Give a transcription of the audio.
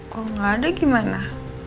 kok gak ada gimana